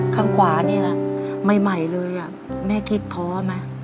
ข้างขวานี่นะใหม่เลยแม่คิดท้อไหม